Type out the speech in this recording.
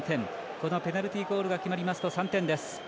このペナルティゴールが決まりますと、３点です。